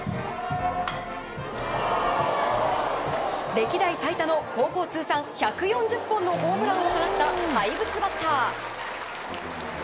歴代最多の高校通算１４０本のホームランを放った怪物バッター。